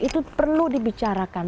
itu perlu dibicarakan